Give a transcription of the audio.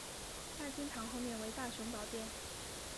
大经堂后面为大雄宝殿。